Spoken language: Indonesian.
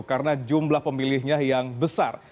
karena jumlah pemilihnya yang besar